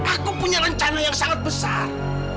aku punya rencana yang sangat besar